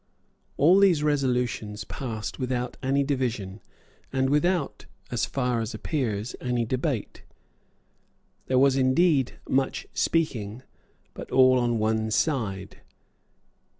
All these resolutions passed without any division, and without, as far as appears, any debate. There was, indeed, much speaking, but all on one side.